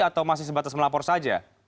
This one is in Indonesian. atau masih sebatas melapor saja